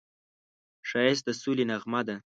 ښایست د سولې نغمه ده